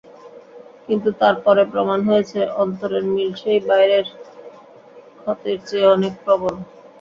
কিন্তু তার পরে প্রমাণ হয়েছে, অন্তরের মিল সেই বাইরের ক্ষতের চেয়ে অনেক প্রবল।